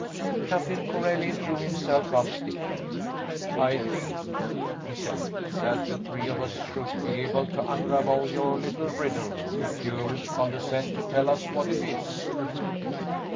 Captain Corelli drew himself up stiffly. "I think," he said, "that the three of us should be able to unravel your little riddle, if you'll condescend to tell us what it is."